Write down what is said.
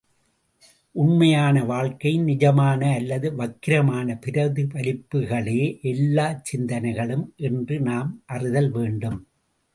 உண்மையான வாழ்க்கையின் நிஜமான அல்லது வக்கிரமான பிரதிபலிப்புக்களே எல்லாச் சிந்தனைகளும் என்று நாம் அறிதல் வேண்டும்.